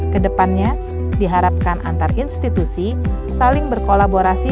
kedepannya diharapkan antarinstitusi saling berkolaborasi